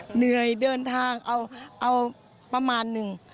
เหนื่อยเดินทางเอาประมาณนึง